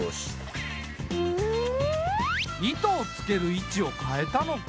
糸をつける位置を変えたのか。